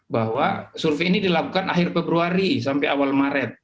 bahwa survei ini dilakukan akhir februari sampai awal maret